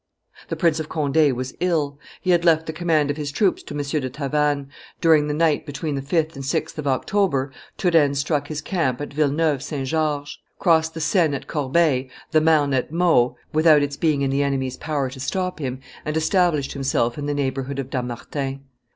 The Prince of Conde was ill; he had left the command of his troops to M. do Tavannes; during the night between the 5th and 6th of October, Turenne struck his camp at Villeneuve St. Georges, crossed the Seine at Corbeil, the Marne at Meaux, without its being in the enemy's power to stop him, and established himself in the neighborhood of Dammartin.